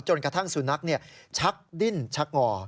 กระทั่งสุนัขชักดิ้นชักงอ